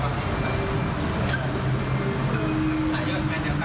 ขอบคุณมากนิดนึง